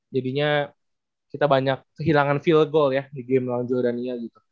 jadinya kita banyak kehilangan feel goal ya di game lawan joe dania gitu